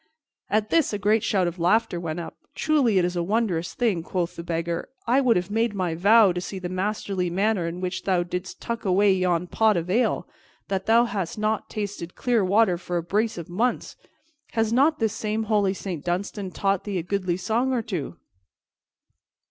At this a great shout of laughter went up. "Truly, it is a wondrous thing," quoth the Beggar, "I would have made my vow, to see the masterly manner in which thou didst tuck away yon pot of ale, that thou hadst not tasted clear water for a brace of months. Has not this same holy Saint Dunstan taught thee a goodly song or two?"